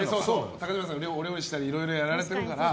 高嶋さん、お料理したりいろいろやられてるから。